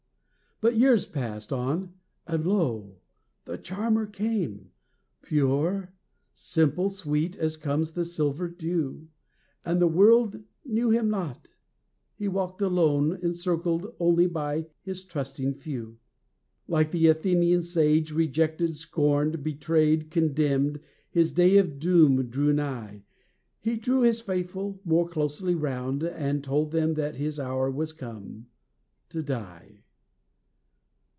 But years passed on; and lo! the Charmer came, Pure, simple, sweet, as comes the silver dew, And the world knew him not, he walked alone Encircled only by his trusting few. Like the Athenian sage, rejected, scorned, Betrayed, condemned, his day of doom drew nigh; He drew his faithful few more closely round, And told them that his hour was come to die.